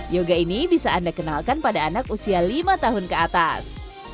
yoga ini bisa anda kenalkan pada anak usia lima tahun ke atas